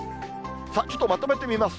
ちょっとまとめてみます。